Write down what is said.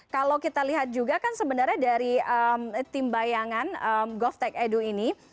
kalau kita lihat juga kan sebenarnya dari tim bayangan govtech edu ini